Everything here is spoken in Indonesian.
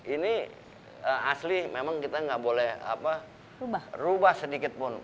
ini asli memang kita nggak boleh rubah sedikit pun